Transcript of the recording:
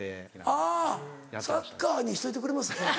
あぁサッカーにしといてくれます？